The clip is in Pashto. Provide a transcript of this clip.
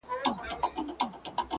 او ماته یې هم په دې مراسمو کي -